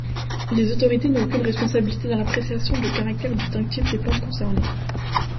Les autorités n'ont aucune responsabilité dans l'appréciation du caractère distinctif des plantes concernées.